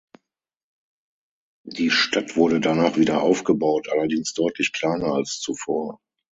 Die Stadt wurde danach wieder aufgebaut, allerdings deutlich kleiner als zuvor.